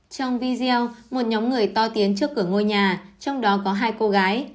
trong video một nhóm người to tiếng trước cửa ngôi nhà trong đó có hai cô gái